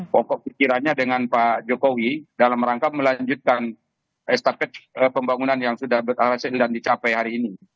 pokok pikirannya dengan pak jokowi dalam rangka melanjutkan estafet pembangunan yang sudah berhasil dan dicapai hari ini